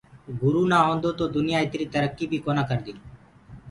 گُرو نآ هوندو تو دنيآ اِتري ترڪي بي ڪونآ ڪردي۔